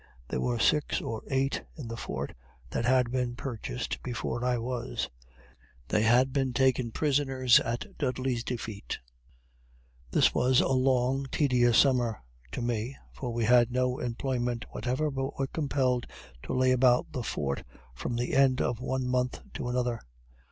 There were six or eight in the fort that had been purchased before I was they had were taken prisoners at Dudley's defeat. This was a long tedious summer to me, for we had no employment whatever, but were compelled to lay about the fort from the end of one month to another.